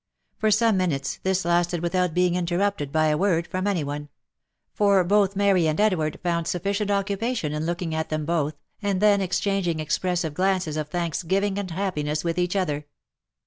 For some minutes this lasted without being interrupted by a word from any one ; for both Mary and Edward found, sufficient occupation in looking at them both, and then exchanging expressive glances of thanksgiving and happiness with each other.